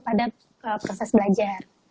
pada proses belajar